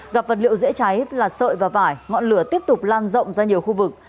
gặp vật liệu dễ cháy là sợi và vải ngọn lửa tiếp tục lan rộng ra nhiều khu vực